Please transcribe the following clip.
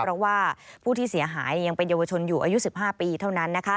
เพราะว่าผู้ที่เสียหายยังเป็นเยาวชนอยู่อายุ๑๕ปีเท่านั้น